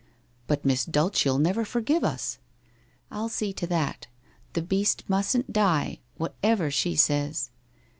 * But Miss Dulcc'll never forgive us !' 1 I'll see to that. The beast mustn't die, whatever she says.'